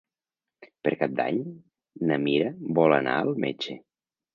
Per Cap d'Any na Mira vol anar al metge.